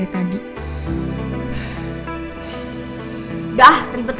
aku mengata radeng radeng